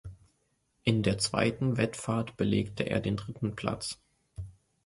In der zweiten Wettfahrt belegte er den dritten Platz.